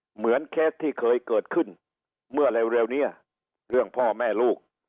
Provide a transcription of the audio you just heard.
เหมือนเคสที่เคยเกิดขึ้นเมื่อเร็วนี้เรื่องพ่อแม่ลูก